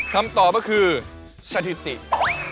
คำตอบก็คือชาติสิน